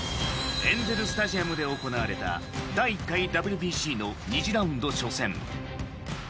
エンゼル・スタジアムで行われた第１回ＷＢＣの２次ラウンド初戦。